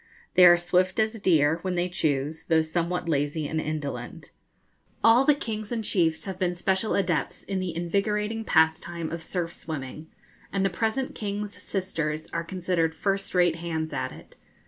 They are swift as deer, when they choose, though somewhat lazy and indolent. All the kings and chiefs have been special adepts in the invigorating pastime of surf swimming, and the present king's sisters are considered first rate hands at it.